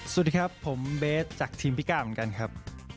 สวัสดีครับผมเบสจากทีมพี่ก้าเหมือนกันครับ